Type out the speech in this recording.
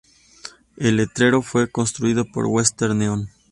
El letrero fue construido por Western Neon.